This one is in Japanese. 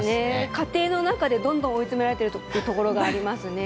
家庭の中でどんどん追い詰められているというところもありますね。